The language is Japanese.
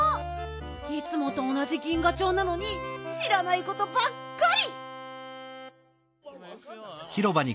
いつもとおなじ銀河町なのにしらないことばっかり！